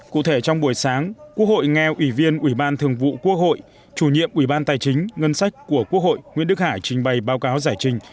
cụ thể trong buổi sáng quốc hội nghe ủy viên ủy ban thường vụ quốc hội chủ nhiệm ủy ban tài chính ngân sách của quốc hội nguyễn đức hải trình bày báo cáo giải trình